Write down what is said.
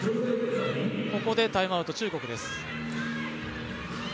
ここでタイムアウト、中国です。